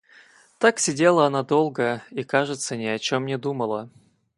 Так сидела она долго и, кажется, ни о чем не думала.